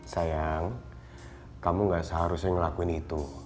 sayang kamu gak seharusnya ngelakuin itu